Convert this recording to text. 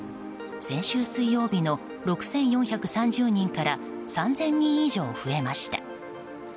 先週水曜日の６４３０人から３０００人以上増えました。